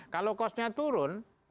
kalau kosnya turun